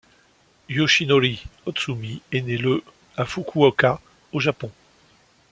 Yoshinori Ohsumi est né le à Fukuoka, au Japon.